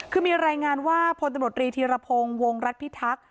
คือมีรายงานว่าพลตำรวจรีธีรพงศ์วงรัฐพิทักษ์